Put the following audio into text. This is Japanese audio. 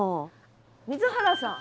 水原さん。